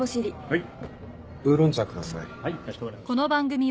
はい。